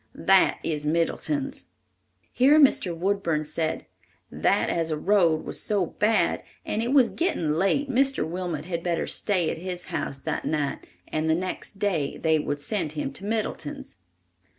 That is Middleton's." Here Mr. Woodburn said, "That as the road was so bad, and it was getting late, Mr. Wilmot had better stay at his house that night and the next day they would send him to Middleton's."